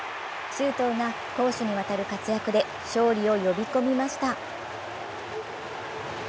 周東が攻守にわたる活躍で勝利を呼び込みました。